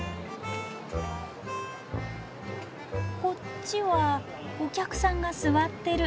こっちはお客さんが座ってる。